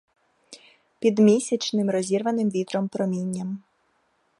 Під місячним розірваним вітром промінням.